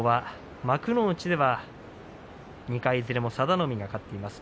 過去は幕内では２回いずれも佐田の海が勝っています。